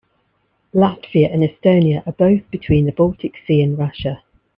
Latvia and Estonia are both between the Baltic Sea and Russia.